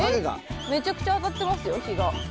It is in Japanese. えっめちゃくちゃ当たってますよ日が。